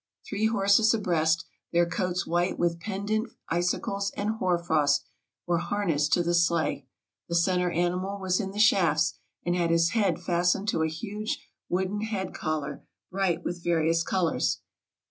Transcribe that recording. Three horses abreast, their coats white with pendant icicles and hoar frost, were harnessed to the sleigh ; the cen ter animal was in the shafts, and had his head fastened to a huge wooden head collar, bright with various colors.